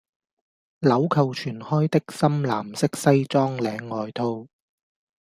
鈕扣全開的深藍色西裝領外套